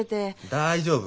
大丈夫。